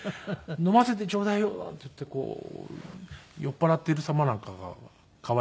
「飲ませてちょうだいよ」なんて言ってこう酔っ払っている様なんかが可愛らしくて。